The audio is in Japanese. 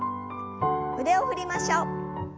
腕を振りましょう。